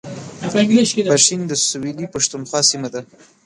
پښین د سویلي پښتونخوا سیمه ده